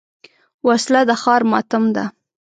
وسله د ښار ماتم ده